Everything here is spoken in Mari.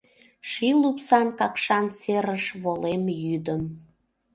Ший лупсан Какшан серыш волем йӱдым.